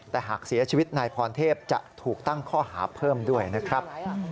แต่หากเสียชีวิตนายพรเทพจะถูกตั้งข้อหาเพิ่มด้วยนะครับ